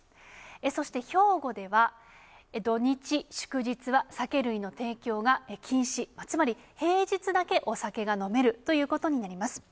そして、兵庫では土日祝日は酒類の提供が禁止、つまり平日だけお酒が飲めるということになります。